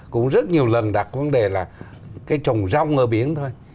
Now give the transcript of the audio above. cũng rất nhiều lần đặt vấn đề là cái trồng rong ở biển thôi